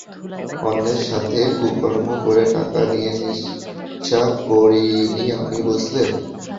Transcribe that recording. অন্যের সাথে কুকর্ম করে টাকা নিয়ে নেশা করিনি আমি, বুঝলে?